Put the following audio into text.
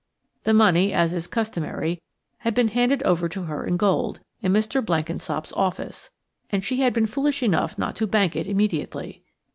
The money, as is customary, had been handed over to her in gold, in Mr. Blenkinsop's office, and she had been foolish enough not to bank it immediately.